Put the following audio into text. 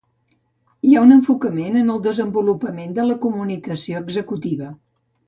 Hi ha un enfocament en el desenvolupament de la comunicació executiva.